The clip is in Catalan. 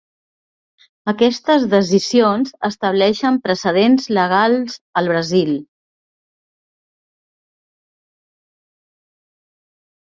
Aquestes decisions estableixen precedents legals al Brasil.